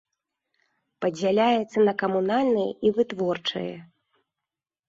Падзяляецца на камунальнае і вытворчае.